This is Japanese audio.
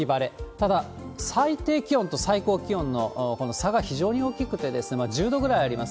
ただ、最低気温と最高気温のこの差が非常に大きくて、１０度ぐらいあります。